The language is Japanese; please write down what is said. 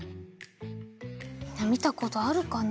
みんなみたことあるかな？